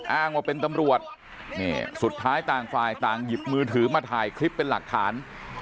อ้างว่าเป็นตำรวจสุดท้ายต่างฝ่ายต่างหยิบมือถือมาถ่ายคลิปเป็นหลักฐาน